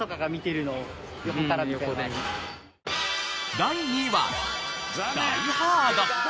第２位は『ダイ・ハード』。